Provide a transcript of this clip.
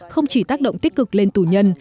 không chỉ tác động tích cực lên tù nhân